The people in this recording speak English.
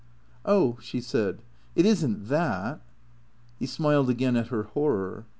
" Oh," she said, " it is n't that." He smiled again at her horror.